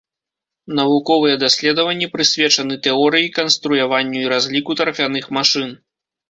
Навуковыя даследаванні прысвечаны тэорыі, канструяванню і разліку тарфяных машын.